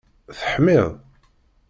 Teḥmiḍ?